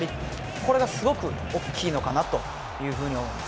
これがすごく大きいのかなというふうに思います。